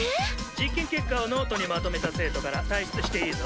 実験結果をノートにまとめた生徒から退出していいぞ。